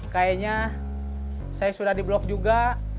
kayaknya saya sudah di blok juga